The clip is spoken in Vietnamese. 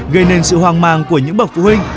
gây nên sự hoang mang của những bậc phụ huynh